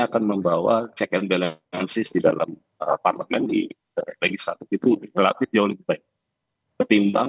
akan membawa check and balances di dalam parlemen di legislatif itu relatif jauh lebih baik ketimbang